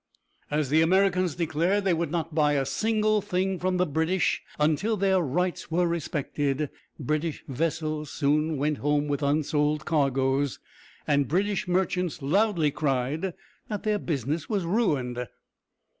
As the Americans declared they would not buy a single thing from the British until their rights were respected, British vessels soon went home with unsold cargoes, and British merchants loudly cried that their business was ruined.